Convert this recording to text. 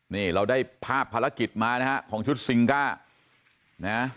นี่เราได้ภาพภารกิจมานะฮะของชุดซิงก้านะ